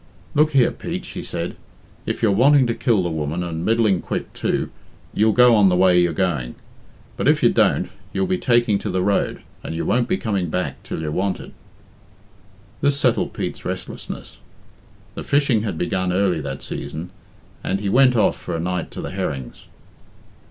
"Look here, Pete," she said. "If you're wanting to kill the woman, and middling quick too, you'll go on the way you're going. But if you don't, you'll be taking to the road, and you won't be coming back till you're wanted." This settled Pete's restlessness. The fishing had begun early that season, and he went off for a night to the herrings.